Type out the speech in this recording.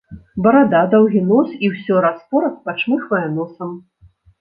Барада, даўгі нос, і ўсё раз-пораз пачмыхвае носам.